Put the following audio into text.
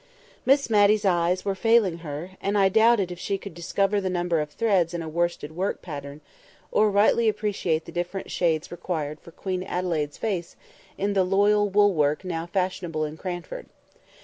Miss Matty's eyes were failing her, and I doubted if she could discover the number of threads in a worsted work pattern, or rightly appreciate the different shades required for Queen Adelaide's face in the loyal wool work now fashionable in Cranford.